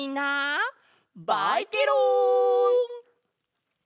バイケロン！